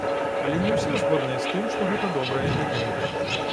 Але не ўсе згодныя з тым, што гэта добрая ідэя.